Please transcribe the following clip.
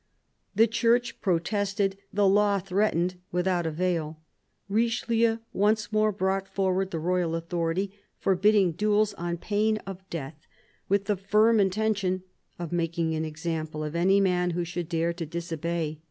The Church pro tested, the law threatened, without avail. Richelieu once more brought forward the royal authority, forbidding duels on pain of death, with the firm intention of making an example of any man who should dare to disobey.